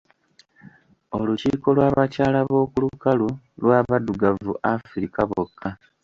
Olukiiko lw’abakyala b’oku lukalu lw’abaddugavu Afrika bokka.